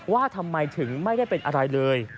ว่าทำไมถึงไม่ได้เป็นอะไรเลย